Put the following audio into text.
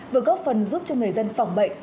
vừa góp phần giúp cho người dân phòng bệnh